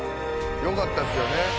よかったっすよね。